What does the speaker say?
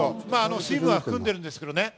水分は含んでるんですけどね。